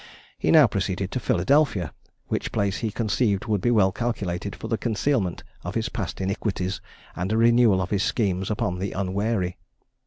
He now proceeded to Philadelphia, which place he conceived would be well calculated for the concealment of his past iniquities, and a renewal of his schemes upon the unwary.